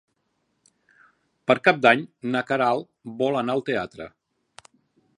Per Cap d'Any na Queralt vol anar al teatre.